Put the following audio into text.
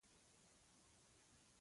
ګلداد ډېر په زړه نری او مهربان سړی و.